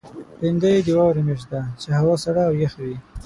لېندۍ د واورې میاشت ده، چې هوا سړه او یخه وي.